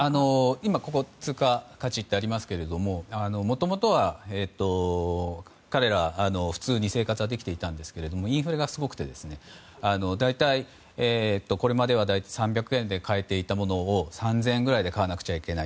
今、通貨価値とありますけどもともとは彼らは普通に生活はできていたんですけれどもインフレがすごくて大体、これまで３００円で買えていたものを３０００円で買わないといけない